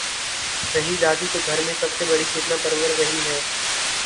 رہی دادی تو گھر میں سب سے بڑی فتنہ پرور وہی ہے۔